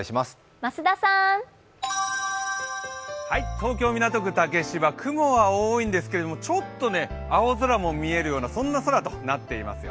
東京・港区竹芝雲は多いんですけれども、ちょっと青空も見えるようなそんな空となっていますよ。